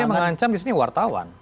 jadi dia mengancam di sini wartawan